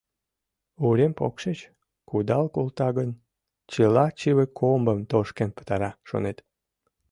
Урем покшеч кудал колта гын, чыла чыве-комбым тошкен пытара, шонет.